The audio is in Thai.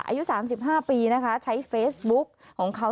อายุ๓๕ปีนะคะใช้เฟซบุ๊กของเขา